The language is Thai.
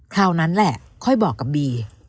คราวนั้นแหละค่อยบอกกับบี